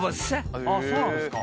「そうなんですか」